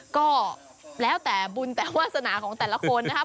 ก็แล้วแต่บุญแต่วาสนาของแต่ละคนนะครับ